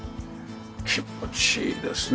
気持ちいいですね。